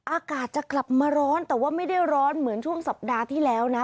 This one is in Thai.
อากาศจะกลับมาร้อนแต่ว่าไม่ได้ร้อนเหมือนช่วงสัปดาห์ที่แล้วนะ